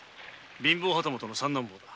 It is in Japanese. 貧乏旗本の三男坊だ。